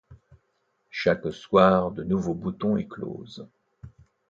Chaque soir de nouveaux boutons éclosent.